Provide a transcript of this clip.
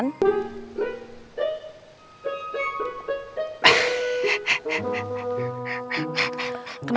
ini teh tempat a'ah pacaran